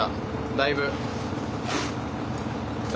だいぶ。